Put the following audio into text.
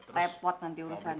repot nanti urusannya